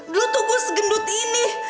dulu tuh gue segendut ini